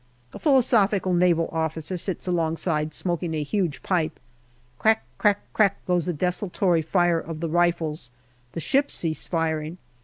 A philosophical Naval officer sits alongside, smoking a huge pipe. Crack crack crack goes the desultory fire of the rifles. The ships cease firing.